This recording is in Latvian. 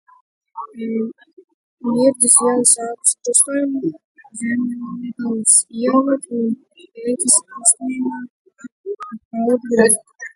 Mirdzas iela sākas krustojumā ar Zemgales ielu un beidzas krustojumā ar Gulbju ielu.